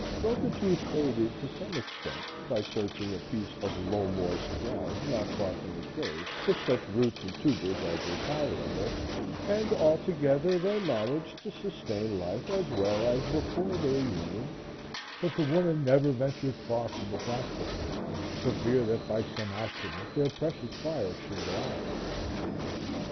Broken Tooth aided to some extent, by searching a piece of low moist ground not far from the cave for such roots and tubers as were palatable, and altogether, they managed to sustain life as well as before their union, but the woman never ventured far from the platform for fear that by some accident their precious fire should go out.